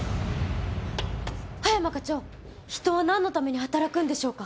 葉山課長人は何のために働くんでしょうか？